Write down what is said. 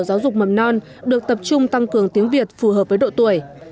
giáo dục mầm non được tập trung tăng cường tiếng việt phù hợp với độ tuổi